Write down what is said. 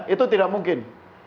itu tidak mungkin